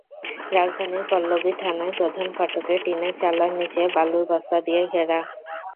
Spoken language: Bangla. রাজধানীর পল্লবী থানার প্রধান ফটকে টিনের চালার নিচে বালুর বস্তা দিয়ে ঘেরা।